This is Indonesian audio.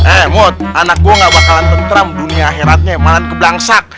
eh mut anak gue gak bakalan tentram dunia akhiratnya malah keblangsak